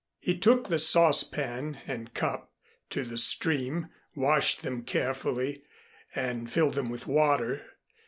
He took the saucepan and cup to the stream, washed them carefully, and filled them with water.